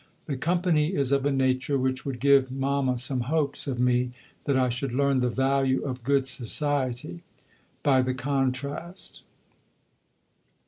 The company is of a nature which would give Mama some hopes of me that I should learn "the value of good society" by the contrast....